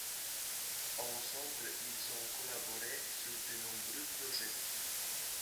Ensemble, ils ont collaboré sur de nombreux projets.